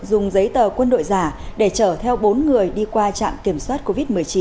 dùng giấy tờ quân đội giả để chở theo bốn người đi qua trạm kiểm soát covid một mươi chín